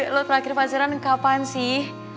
lo terakhir pasaran kapan sih